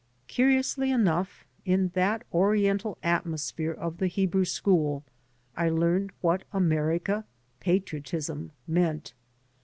Curiously enough, in that Oriental at mosphere of the Hebrew school I learned what America, patriotism, meant.